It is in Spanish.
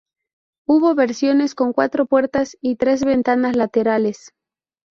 Hubo versiones con cuatro puertas y tres ventanas laterales.